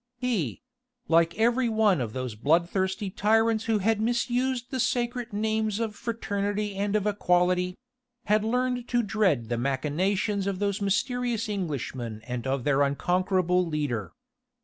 He like every one of those bloodthirsty tyrants who had misused the sacred names of Fraternity and of Equality had learned to dread the machinations of those mysterious Englishmen and of their unconquerable leader.